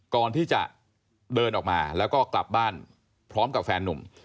ก่อนที่จะเดินออกมาแล้วก็กลับบ้านพร้อมกับแฟนนุ่ม